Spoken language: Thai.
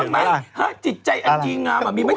มั้ยใจอันดีงามฮะมีไหม